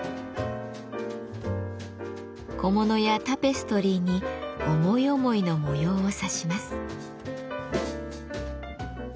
小物やタペストリーに思い思いの模様を刺します。